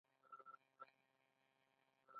د انسان د بدن په بندونو کې بندي مایع ځای لري.